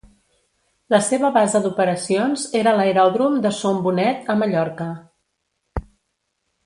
La seva base d'operacions era l'Aeròdrom de Son Bonet, a Mallorca.